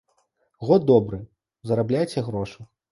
Год добры, зарабляйце грошы.